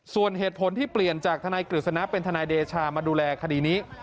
ส่วนเหตุผลที่เปลี่ยนจากทนายกฤษณะเป็นทนายเดชามาดูแลคดีนี้